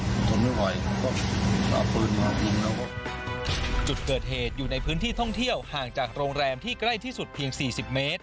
ผู้ประกอบการกิจการเตียงผ้าใบต่างไทยอยเก็บ